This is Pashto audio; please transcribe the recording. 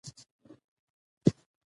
د افغانستان طبیعت له تودوخه څخه جوړ شوی دی.